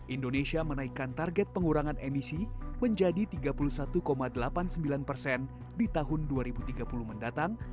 indonesia menaikkan target pengurangan emisi menjadi tiga puluh satu delapan puluh sembilan persen di tahun dua ribu tiga puluh mendatang